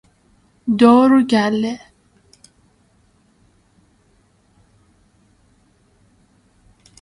دارو گله